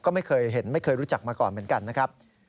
ก็ไม่เคยเห็นไม่เคยรู้จักมาก่อนเหมือนกันนะครับ